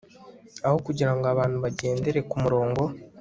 Aho kugira ngo abantu bagendere ku murongo